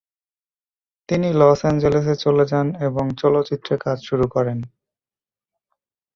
তিনি লস অ্যাঞ্জেলেসে চলে যান এবং চলচ্চিত্রে কাজ শুরু করেন।